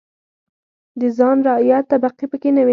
د خان-رعیت طبقې پکې نه وې.